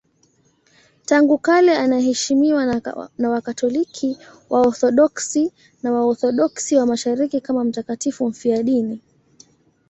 Tangu kale anaheshimiwa na Wakatoliki, Waorthodoksi na Waorthodoksi wa Mashariki kama mtakatifu mfiadini.